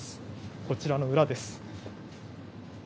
こちらの裏です。